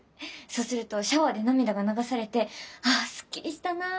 そうするとシャワーで涙が流されて「あすっきりしたな。